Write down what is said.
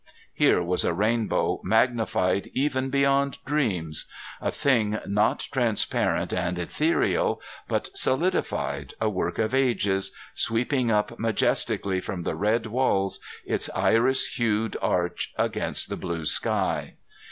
Here was a rainbow magnified even beyond dreams, a thing not transparent and ethereal, but solidified, a work of ages, sweeping up majestically from the red walls, its iris hued arch against the blue sky.